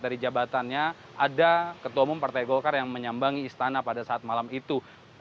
dari jabatannya ada ketua umum partai golkar yang menyambangi istana pada saat malam itu